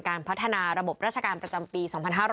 การพัฒนาระบบราชการประจำปี๒๕๕๙